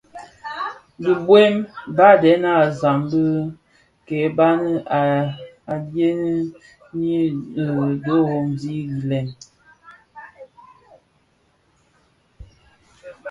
Dhibuem, badèna a zam dhi kèba a tyèn nyi dhorozi gilèn.